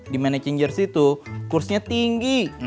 di managing jersey tuh kursnya tinggi